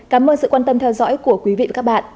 cảm ơn sự quan tâm theo dõi của quý vị và các bạn